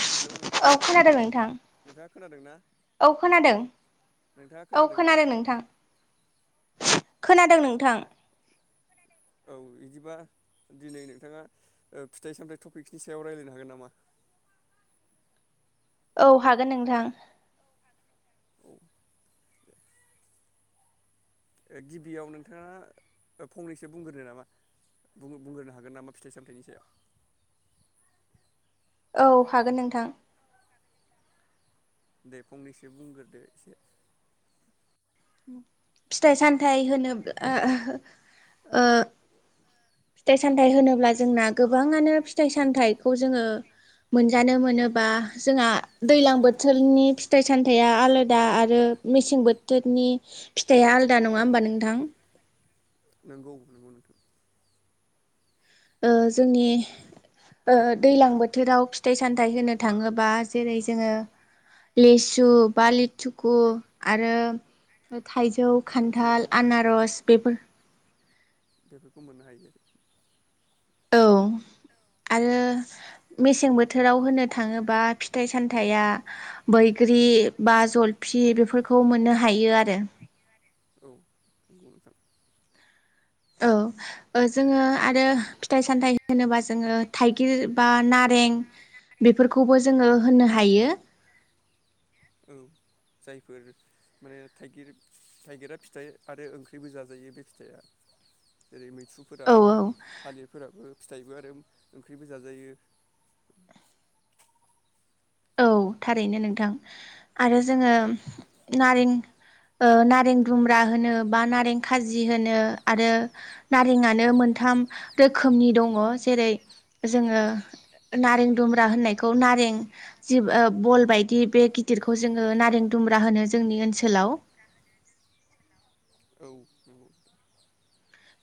Hello नोंथां औ खोनादों नोंथां नोंथाङा खोनादोंना औ खोनादों नोंथाङा औ खोनादोंना खोनादों नोंथां। खोनादों ओ नोंथां। औ बिदिबा दिनै नोंथाङा ओ फिथाइ सामथाइ टपिकनि सायाव रायज्लायनो हागोन नामा? औ हागोन नोंथां औ ओ गिबियाव नोंथाङा फंनैसो बुंग्रोनो नामा बुंग्रोनो हागोन नामा फिथाइ सामथाइनि सायाव औ हागोन नोंथां। दे फंनैसो बुंग्रोदो एसे फिथाइ सामथाइ होनोब्ला ओ फिथायाइ सामथाइ होनोब्ला जोंना गोबाङानो फिथाइ सामथाइखौ जोङो मोनजानो मोनो बा जोंहा दैज्लां बोथोरनि फिथाइ सामथाइया आलादा आरो मेसें बोथोरनि फिथाइआ आलदा नङा होमबा नोंथां? नंगौ नंगौ नोंथां। ओ जोंनि ओ दैलां बोथोराव फिथाइ सामथाइ होनो थाङोबा जेरै जोङो लेसु बा लिथुखु आरो थाइजौ थाइजौ खान्थाल आनारस बेफोर बेफोरखौ मोननो हायो आरो औ आरो मेसें बोथोराव होनो थाङोबा फिथाइ सामथायाइया बैग्रि बा जलफि बेफोरखौ मोननो हायो आरो औ नंगौ नोंथां। औ ओ जोङो आरो फिथाइ सामथायाइ होनोबा जोङो थाइगिर बा नारें बेफोरखौबो जोङो होननो हायो। औ जायफोर माने थाइगिर थाइगिरा फिथाइ आरो ओंख्रिबो जाजायो बे फिथाइया जेरै मैथ औ सुफोराबो औ थालिरफोराबो फिथाइबो आरो ओंख्रिबो जाजायो औ थारैनो नोंथां आरो जोङो नारें ओ नारें दुम्ब्रा होनो बा नारें खाजि होनो आरो नारेंआनो मोनथाम रोखोमनि दङ' जेरै जोङो नारें दुमब्रा होननायखौ नारें जि ओ बल बायदि बे गिदिरखौ जोङो नारें दुम्ब्रा होनो जोंनि ओनसोलाव औ नंगौ।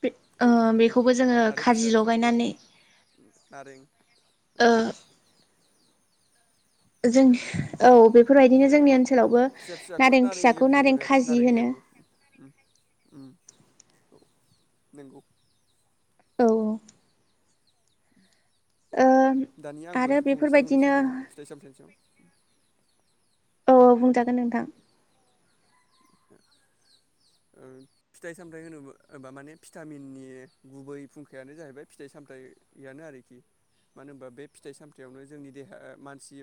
बे ओ औ नंगौ बेखौबो जोङो आरो फिसा खारजि फिसाखौ लगायनानै नारें औ। ओ जों औ बेफोरबायदिनो माने जोंनि ओनसोलावबो फिसा फिसाखौ नारें फिसाखौ लेबु होनो आरो खाजि नारें होनो लेबु उम नंगौ। औ औ। ओ दानिया आंबो आरो फंनैसो बेफोरबायदिनो बुंनोसै नामा फिथाइ सामथायनि सायाव औ औ बुंजागोन नोंथां। ओ फिथाइ सामथायाइ होनोबा माने भिटामिननि गुबै फुंखायानो जाहैबाय फिथाइ सामथाययानो आरोखि मानो होनबा बे फिथाइ सामथायाइयावनो जोंनि देहा मानसि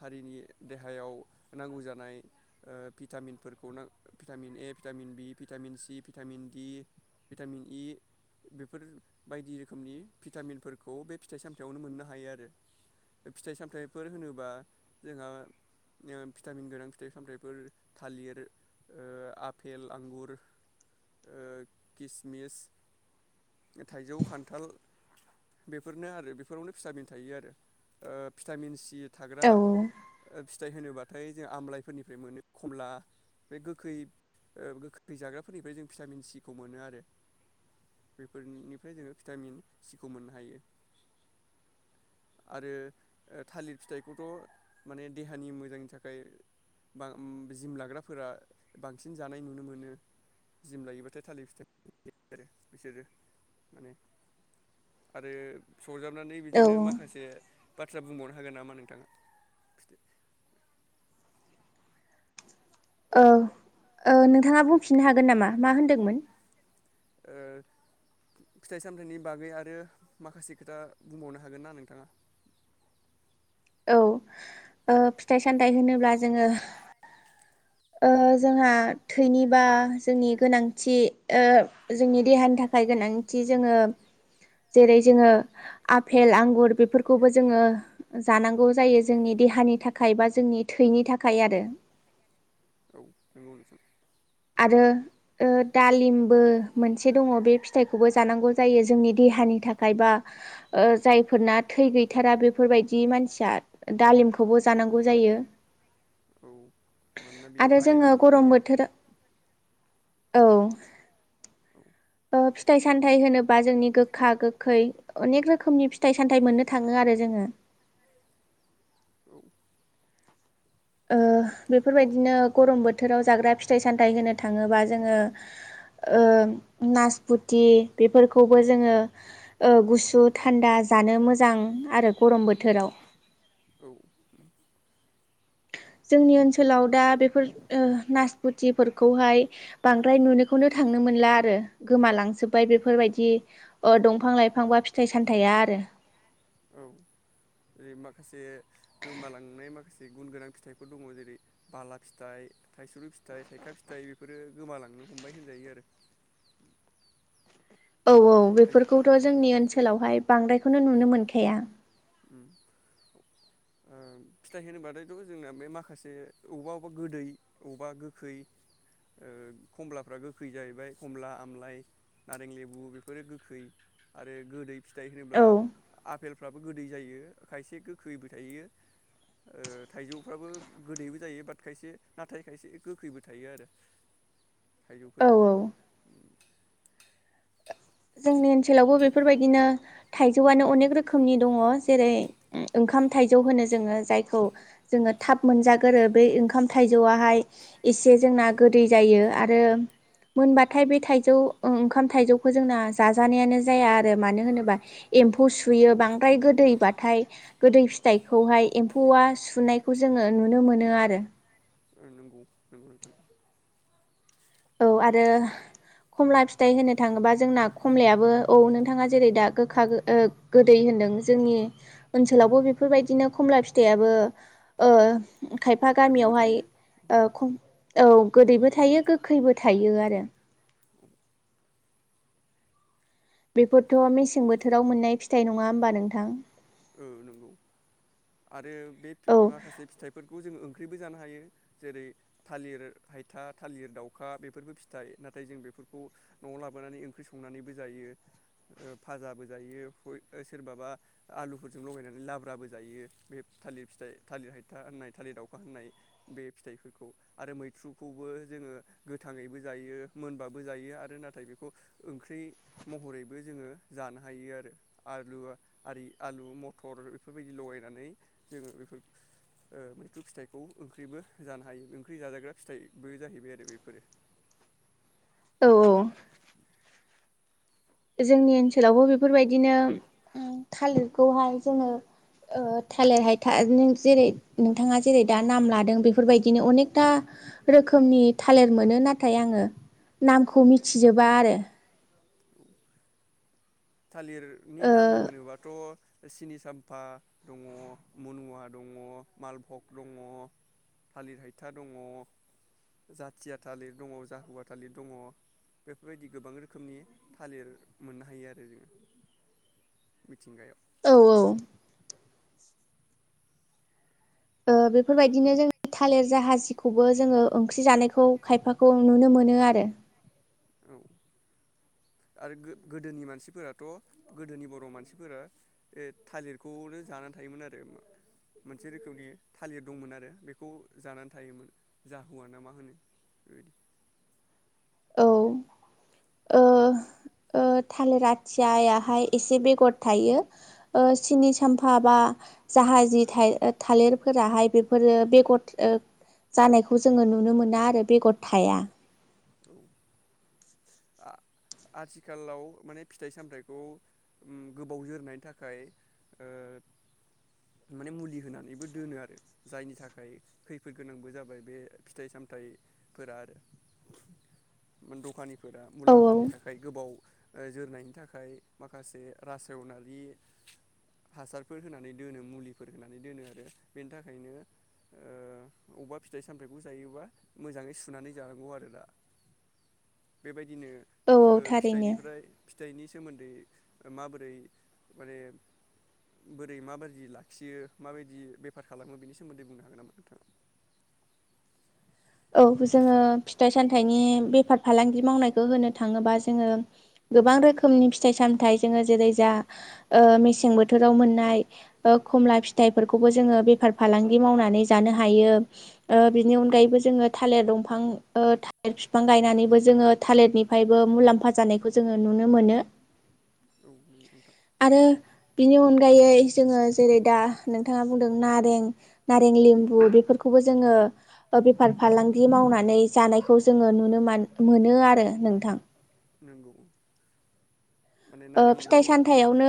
हारिनि देहायाव नांगौ जानाय ओ भिटामिनफोर खौ vitamin A vitamin B vitamin C vitamin vitamin E बेफोर बायदि रोखोमनि भिटामिनफोरखौ बे फिथाइ सामथायाइयावनो मोननो हायो आरो फिथाइ सामथायाइफोर होनोबा जोंहा ओ भिटामिन गोनां फिथाइ सामथायाइफोर थालिर ओ आफपेल आंगुर किसमिस थाइजौ खान्थाल बेफोरनो आरो बेफोरावनो भिटामिन थायो आरो ओ भिटामिन सि थाग्रा औ फिथाइ होनोब्ला ओमफ्राय जों आमलाइफोरनिफ्राय मोनो खमला बे गोखै गोखै जाग्राफोरनिफ्राय जों भिटामिन सिखौ मोनो आरो बेफोरनिफ्राय जोङो भिटामिन सिखौ मोननो हायो आरो थालिर फिथाइखौथ' माने देहानि मोजांनि थाखाय बा जिम लाग्रा फोरा बांसिन जानाय नुनो मोनो जिम लायोबाथाय थालिर फिथाइ आरो बिसोरो माने आरो सजाबनानै औ बिदिनो माखासे बाथ्रा बुंबावनो हागोन नामा नोंथां? औ ओ नोंथाङा बुंफिननो हागोन नामा? मा होनदोंमोन? ओ फिथाइ सामथायाइनि बागै आरो माखासे खोथा बुंबावनो हागोन ना नोंथाङा? औ ओ फिथाइ सामथाइ होनोब्ला जोङो ओ जोंहा थैनिबा जोंनि गोनांथि ओ जोंनि देहानि थाखाय गोनांथि जोङो जेरै जोङो आफेल, आंगुर बेफोरखौबो जोङो जानांगौ जायो जोंनि देहानि थाखाय बा जोंनि थैनि थाखाय आरो औ नोंगौ नोंथां। आरो ओ दालिमबो मोनसे दङ' बे फिथाइखौबो जानांगौ जायो जोंनि देहानि थाखाय बा ओ जायफोरना थै गैथारा बेफोरबायदि मानसिया दालिमखौ खौबो औ जांनागौ जायो औ मानोना बेयाव आरो जोंङो आइरन थायो गरम आरोखि ना बोथोर औ। औ ओ फिथाइ सामथाइ होनोबा जोंनि गोखा गोखै अनेख रोखोमनि फिथाइ सामथाइ मोननो थाङो आरो जोङो। औ ओ बेफोरबायदिनो गरम बोथोराव जाग्रा फिथाइ सामथाइ होनो थाङोबा जोङो ओ नासपुथि बेफोरखौबो जोङो ओ गुसु थान्दा जानो मोजां आरो गरम बोथोराव। औ। जोंनि ओनसोलाव दा बेफोर ओ नासपुथिफोरखौहाय बांद्राय नुनायखौनो थांनो मोनला आरो गोमालांजोबबाय बेफोर बेफोरबायदि ओ दंफां लाइफां बा फिथाइ सामथाया आरो औ जेरै माखासे गोमालांनाय माखासे गुन गोनां फिथाइफोर दङ जेरै बाला फिथाइ थाइसुरु फिथाइ थाइखा फिथाइ बेफोरो गोमालांनो हमबाय होनजायो आरो औ औ ओम बेफोरखौथ' जोंनि ओनसोलावहाय बांद्राय बेखौनो नुनो मोनखाया फिथाइ होनोबाथायथ' जोंना बे माखासे बबेबा अबेबा गोदै अबेबा गोखै खमलाफ्रा गोखै जाहैबाय खमला आमलाय नारें लेबु बेफोरो गोखै आरो गोदै फिथाइ औ होनोब्ला फेलफ्राबो गोदै जायो खायसे गोखैबो थायो थाइजौफ्राबो गोदैबो जायो बाट खायसे नाथाय खायसे गोखैबो थायो आरो। औ थाइजौफोरा औ जोंनि ओनसोलावबो बेफोरबायदिनो थाइजौआनो अनेक रोखोमनि दङ जेरै ओंखाम थाइजौ होनो जोङो जायखौ जोङो थाब मोनजागोरो बे ओंखाम थाइजौआहाय एसे जोंना गोदै जायो आरो मोनबाथाय बे थाइजौ ओंखाम थाइजौखौ जोंना जाजानायानो जाया आरो मानो होनोब्ला एम्फौ सुयो बांद्राय गोदैबाथाय गोदै फिथाइखौहाय एम्फौआ सुनायखौ जोङो नुनो मोनो आरो नोंगौ नोंगौ नोंथां। औ आरो खमला फिथाइ होननो थाङोबा जोंना खमलायाबो औ नोंथाङा जेरै दा गोखा गोदै होनदों जोंनि ओनसोलावबो बेफोरबायदिनो खमला फिथाइयाबो खायफा गोदैबो गामियावहाय थायो खम औ खाय गोदैबो थायो गोखै फैबो थायो आरो बेफोरथ' मेसें बोथोराव मोननाय फिथाइ नङा होमबा नोंथां। औ नंगौ आरो बे औ माखासे फिथाइफोरखौ जोङो ओं ओंख्रिबो जानो हायो जेरै थालिर हायथा थालिर दाउखा बेफोरबो फिथाइ नाथाय जों बेफोरखौ न'आव लाबोनानै ओंख्रि संनानैबो जायो फाजाबो जायो सोरबाबा आलुफोरजों लगायनानै लाब्राबो जायो बे थालिर फिथाइ थालिर हायथा होननाय थालिर दाउखा होननाय बे फिथाइफोरखौ आरो मैथ्रुखौबो जोङो गोथाङैबो जायो मोनबाबो जायो आरो नाथाय बेखौ ओंख्रि महरैबो जोङो जानो हायो आरो आलु आरि आलु मथर बेफोरबायदि लगायनानै जोङो बेफोर मैथ्रु फिथाइखौ ओंख्रिबो जानो हायो ओंख्रि जाजाग्रा फिथाइबो जाहैबाय आरो बेफोरो औ औ जोंनि ओनसोलावबो बेफोरबायदिनो थालिरखौहाय जोङो थालिर हायथा जेरै नोंथाङा जेरै दा नाम लादों बेफोरबायदिनो अनेकथा रोखोमनि थालिर मोनो नाथाय आङो नामखौ मिथिजोबा आरो। थालिरनि नाम ओ होनोबाथ' सिनि साम्फा दङ मनुवा दङ मालभग दङ थालिर हायथा दङ जाथिया थालिर दङ जाहुवा थालिर दङ बेफोरबायदि गोबां रोखोमनि थालिर मोननो हायो आरो जोङो मिथिंगायाव औ औ बेफोरबायदिनो जों थालिर जाहाजिखौबो जोङो ओंख्रि जानायखौ खायफाखौ नुनो मोनो आरो। औ आरो गोदोनि मानसिफोराथ' गोदोनि बर' मानसिफोरा थालिरखौनो जानानै थायोमोन आरो मोनसे रोखोमनि थालिर दंमोन आरो बेखौ जानानै थायोमोन जाहुवा ना मा होनो बेबायदि औ थालिर आथियाहाय एसे बेगर थायो सिनि साम्फा बा जाहाजि थालिरफोराहाय बेफोरो बेगर जानायखौ जोङो नुनो मोना आरो बेगर थाया औ आ-आथिखालाव माने फिथाइ सामथाइखौ गोबाव जोरनायनि थाखाय माने मुलि होनानैबो दोनो आरो जायनि थाखाय खैफोद गोनांबो जाबाय बे फिथाइ सामथाइफोरा आरो दखानि फोर औ औ मुलाम्फानि थाखाय गोबाव जोरनायनि थाखाय माखासे रासेवनारि हासारफोर होनानै दोनो मुलिफोर होनानै दोनो आरो बेनि थाखायनो अबेबा फिथाइ सामथायाइखौ जायोबा मोजाङै सुनानै जानांगौ आरो दा बेबायदि औ औ बिदिनो थारैनो फिथाइनिफ्राय फिथाइनि सोमोन्दै माबोरै माने बोरै माबायदि लाखियो माबायदि बेफार खालामो बेनि सोमोन्दै बुंनो हागोन नामा नोंथाङा औ जोङो फिथाइ सामथाइनि बेफार फालांगि मावनायखौ होनो थाङोबा जोङो गोबां रोखोमनि फिथाइ सामथाइ जोङो जेरै जा मेसें बोथोराव मोननाय खमला फिथाइफोरखौबो जोङो बेफार फालांगि मावनानै जानो हायो बिनि अनगायैबो जों जोङो थालिर दंफां थालिर बिफां गायनानैबो जोङो थालिरनिफ्रायबो मुलाम्फा जानायखौ जोङो नुनो मोनो। नंगौ नोंथां आरो बिनि अनगायै जोङो जेरै दा नोंथाङा बुंदों नारें नारें लेम्बु बेफोरखौबो जोङो बे बेफार फालांगि मावनानै जानायखौ जोङो नुनो मोनो आरो नोंथां नंगौ माने नारें फिथाइ लेबुआ सामथायावनो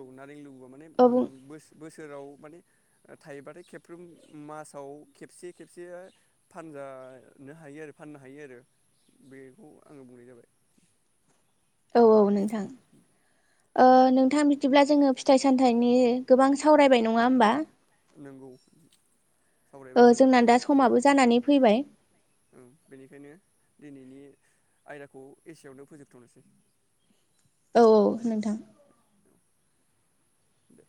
औ‌ नारें लेबु‌ माने औ बो बोसो बोसोराव माने थायोबाथाय खेबफ्रोम मासाव खेबसे खेबसे फानजानो हायो आरो फाननो हायो आरो बेखौ आङो बुंनाय जाबाय औ-औ नोंथा थां ओ नोंथां बिदिब्ला जोङो फिथाइ सामथाइनि गोबां सावरायबाय नङा होमबा नंगौ ओ सावरायबाय जोंना गोबां दा समाबो जानानै फैबाय सावरायबाय बेनिखायनो दिनैनि आयदाखौ एसेआवनो फोजोबथ'नोसै औ-औ नोंथां दे